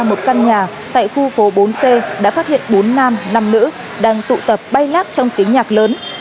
một căn nhà tại khu phố bốn c đã phát hiện bốn nam năm nữ đang tụ tập bay lát trong tiếng nhạc lớn